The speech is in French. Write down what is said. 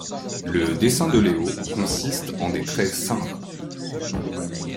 Le dessin de Léo consiste en des traits simples.